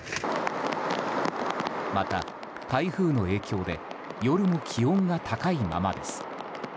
また、台風の影響で夜も気温が高いままです。